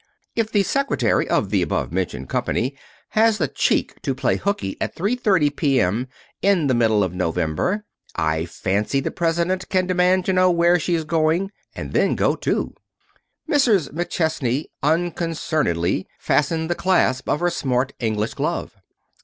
"If the secretary of the above mentioned company has the cheek to play hooky at 3:30 P.M. in the middle of November, I fancy the president can demand to know where she's going, and then go too." Mrs. McChesney unconcernedly fastened the clasp of her smart English glove.